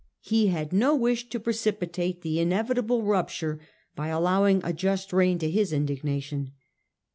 He had no wish to precipitate the inevitable rupture by allowing a just rein to his indignation.